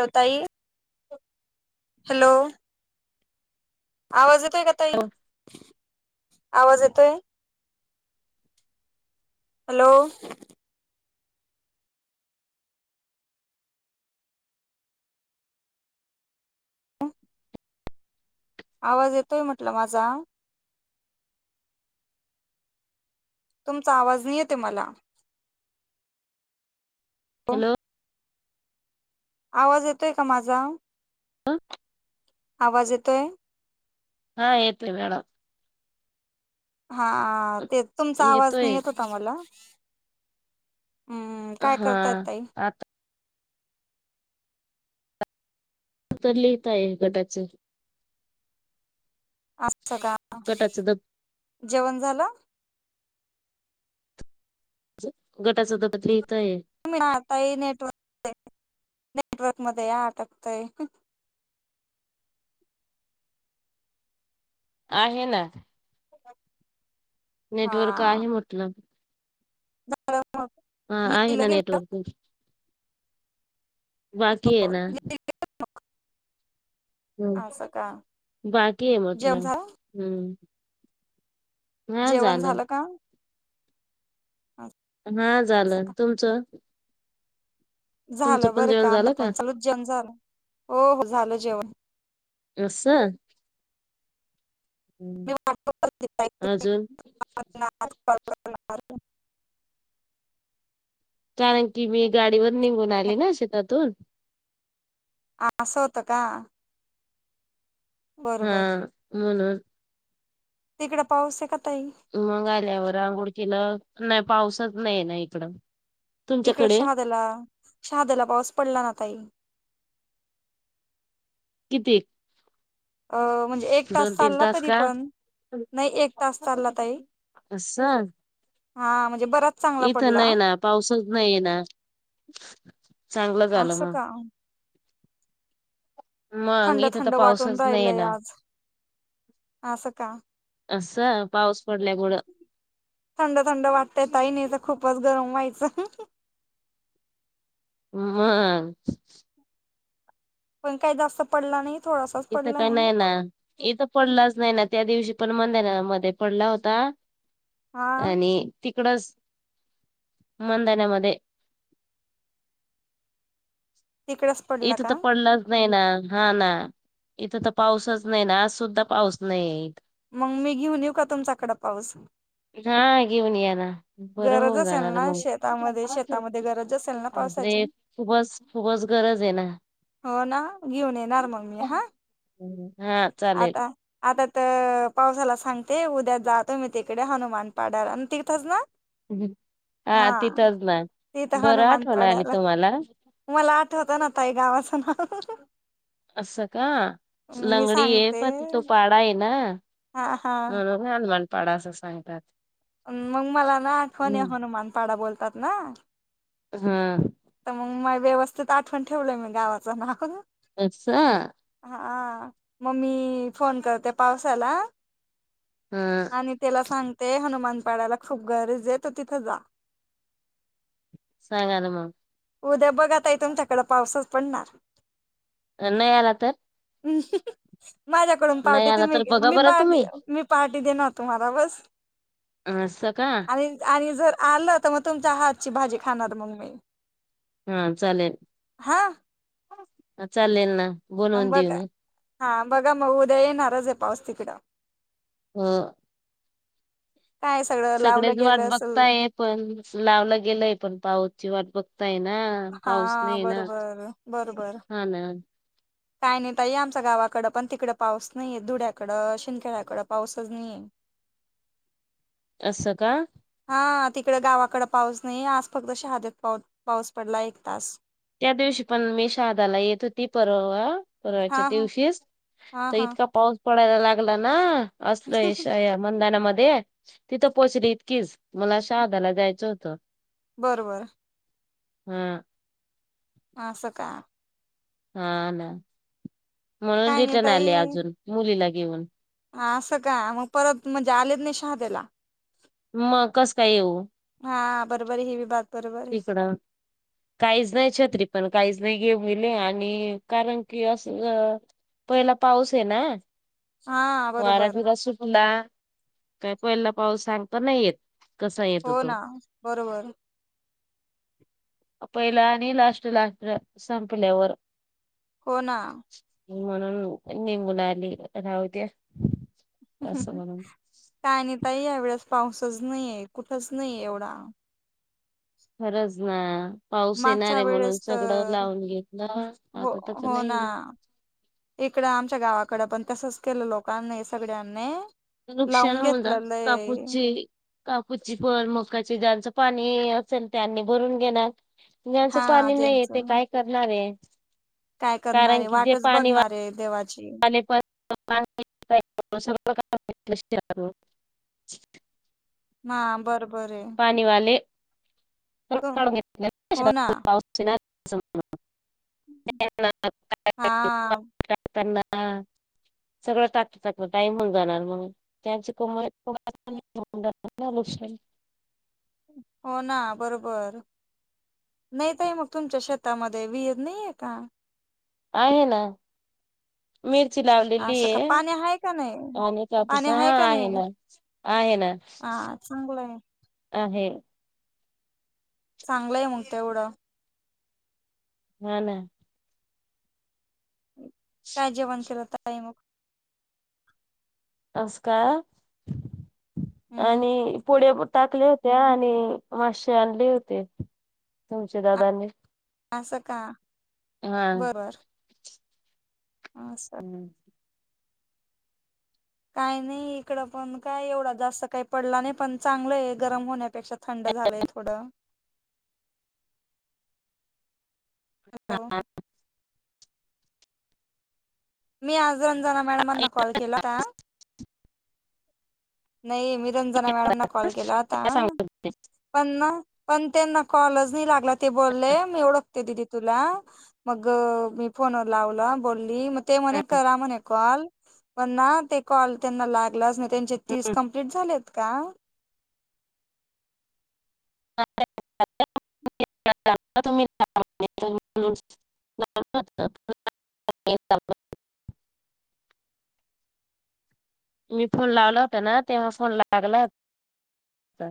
Hello ताई hello! आवाज येतोय का ताई आवाज येतोय. हॅलो! ह आवाज येतोय म्हटलं माझा. तुमचा आवाज नाही येत मला. हो हॅलो! आवाज येतोय का माझा. ह आवाज येतोय. हा येते मॅडम. हा ते तुमचा आवाज नाही येतोय येत होता मला. हम्म काय हा करताय ताई आता. तर लिहित आहे गटाच. अस का गटाच द जेवण झालं. गट शतपद्री [unintelligible] आताय नेटवर्क नेटवर्क मध्ये आटकतय. आहे ना. नेटवर्क आहे म्हटल. ह [unintelligible] हा आहेे ना नेटवर्क. बाकी आहे ना. हम्म असं का बाकी आहे जेउन म्हटलं झाला. हम्म जेवण झालं का. असं हा का झालं तुमचं. तुमचं झालं पण बरं का जेवण आम झालं पण चालूच जेवण झालं हो हो झालं जेवण. असं. हम्म. [unintelligible] अजून क [unintelligible] कारण की मी गाडीवर निघून आले ना शेतातून. असं होतं का. बरं हा म्हणून. तिकडे पाऊस आहे का. ताई मग आल्यावर आंघोळकीलं नाही पाऊसच नाही ना इकडं. इकड तुमच्याकडे शहाद्याला शहाद्याला पाऊस पडला ना तई. कितीे. अ म्हणजे एक तास चालला तरी का पण. नाही एक तास चालला ताई. असं हा म्हणजे बराच चांगला इथं पडला. नाही ना पाऊसच नाही ना चांगलं झालं असं मग. का मग थंड इथं तर थंड वाटून पाऊसच नाही आहे राहिलय ना. आज असं का असं पाऊस. पडल्यामुळं थंड थंड वाटतये ताई नाही तर. खूपच गरम व्हायचं हम् पण काही जास्त पडला नाही थोडासाच इथं काही पडलाय नाही ना इथं पडलाच नाही ना त्या दिवशी पण मधनामध्ये पडला होता हा आणि त इकडच मधनामध्ये तिकडच पडला इथं तर का पडलाच नाही ना हा ना इथं तर पाऊसच नाही ना आज सुद्धा पाऊस नाहीये मग मी घेऊन येऊ का तुमचाकड पाऊस हा गीऊनय ना बरं गरज होऊन असेल जाणार ना शेतामध्ये मगे शेतामध्ये गरज असेल ना पावसाची खूपच खूपच गरज आहे ना हो ना घेऊन येणार मग मी हा हा चालेल आता आता तर पावसाला सांगते उद्या जातो मी तिकडे हनुमान पाडार आणि तिथंच ना हा तिथंच ना तिथं बरं हनुमान आठवण आली पाडाला तुम्हाला मला आठवत ना तई गावाचं नाव असं का मी लंगडी आहे सांगते पण तो पाडा आहे ना हा हा ण पाडा असं सांगतात. मग मला ना आठवणी हम्म हनुमानपाडा बोलतात ना हा तर मग मा व्यवस्थित आठवण ठेवलंय मी गावाचं नाव अचसा हा मग ममी फोन करते पावसाला हा आणि त्याला सांगते हनुमान पाडायला खूप गरज येतो तिथ जा सांग आन म उद्या बघतई तुमच्याकडें पाऊसच पडणार नाही आला तर. ह् माझ्याकडून नाही पहाटे आला तुम्ही तर बघा मी बरं पहाट मी तुम्ही पहाट मी पार्टी देणार मी तुम्हाला बस असं का आणि जर आलं तर मग तुमच्या हातची भाजी खाणार मग मी हा चालेल हा चालेल ना बनवून बघा देऊन. हा बघा मग उद्या येणारच आहे पाऊस तिकडं हा काय सगळं लावलं सगळेच वाट गेलं असेल बघताय पण लावलं गेलंय पण पाऊची वाट बघता. आहे ना हा पाऊस नाही आहे ना बरोबर बरोबर हा ना काय नाहीताई आमच्या गावाकडं पण तिकडं पाऊस नाहीये धुड्याकडं शिनखेड्याकडं पाऊसच नाहीये. असं का हा तिकड गावाकडे पाऊस नाही आज फक्त शहादेत पा पाऊस पडला एक तास त्या दिवशी पण मी शहादाला येत होती परवा बवायच्या हा हा दिवशीच हा तर हा इतका पाऊस पडायला लागला ना. असल श या मंदानामध्ये तिथं पोचली इतकीच मला शा हदाला जायचं होतं. बरबर हम्म मा अस काय हा ना म्हणून काय नाही रिटर्न आले अजून मुलीला घेऊन. हा असं का मग परत म्हणजे आलेत नाही शहादेयाला. मग कस काय येऊ हा बरोबर ही बी बात बरोबर आहे. तिकडं काहीच नाही छत्री पण काहीच नाही गेमईले आणि कारण की अस पहिला पाऊस आहे ना. हा बरोबर वाराटिरा सुटला काय पहिला पाऊस सांगत नाहीेत. हो ना बरोबर पहिला आणि लास्ट लाट संपल्यावर हो ना म्हणून निघून आली राहते. काणी आता या वेळेस पाऊसच नाहीे कुठच नाही एवढा फरच ना पाऊस येणार मागच्या आहे म्हणून वेळेस सगळं तर लावून घेतलं हो आता त्याच हो ना नाही. इकडं आमच्या गावाकडं पण तसच केलं लोकांनी सगळ्यांनी नुकसान लावून होऊ न घेतलं लय कापूची कापूची फळ मकाची पण पाणी असेल त्यांनी भरून घेणार जचं हा पाणी नाही आहे ज्यांच ते काय करणार आहे. काय करणारे वाटच बघणारे देवाची ले कश ह बरोबर आहे पाणीवाले त ून घेत हो ना [inaudible] हा सगळं टाकताकत टाईम होन जाणार मग त्याच [unintelligible] हो ना बरोबर नाही तई मग तुमच्या शेतामध्ये वि नाहीये का आहे ना मी ची लावलेली असं का आहे पाणी आहे का नाही आणि त्यापस पाणी हा का आहे नाही ना आहे ना हा चांगलं आहे आहे चांगलंय मग तेवढं हा ना काय जेवण केलंत आहे मग अस का हम्म आणि पुढे टाकल्या होते्या आणि माश आणले होते तुमच्या दादाांनी असं का बरोबर असं हम्म काही नाही इकड पण काय एवढा जास्त काही पडला नाही पण चांगलं आहे गरम होण्या पेक्षा थंड झालंय थोडं हॅलो मी आज रंजना मॅडमांना कॉल केला होता नाही मी रंजना मॅडम न कॉल केला आता पण पण त्यांना कॉल नाही लाग ते बोलले मी ओळखते दिदी तुला मग मी फोनवर लावला बोलली म ते म्ह करा म्हणे कॉल पण ते कॉल त्यांना लागलाच तस हम्म. कंप्लीट झालेत का तुम्ही ण [unintelligible] मी फोन लावला होता ना तेव्हा फोन लागला